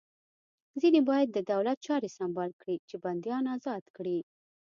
ځینې باید د دولت چارې سمبال کړي چې بندیان ازاد کړي